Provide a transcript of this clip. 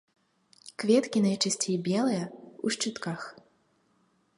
Кветкі найчасцей белыя, у шчытках.